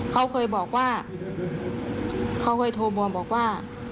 เขาเคยบอกว่าเขาเคยโทรมาบอกว่า